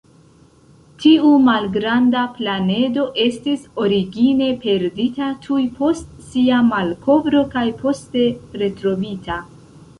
Tiu malgranda planedo estis origine perdita tuj post sia malkovro kaj poste retrovita.